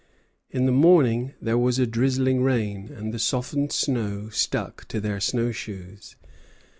In the morning there was a drizzling rain, and the softened snow stuck to their snow shoes.